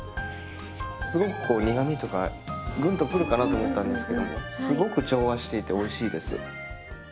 すごくこう苦みとかグンとくるかなと思ったんですけどもすごく調和していておいしいです。